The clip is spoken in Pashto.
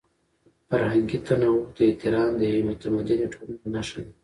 فرهنګي تنوع ته احترام د یوې متمدنې ټولنې نښه ده.